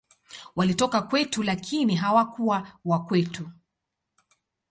Walitoka kwetu, lakini hawakuwa wa kwetu.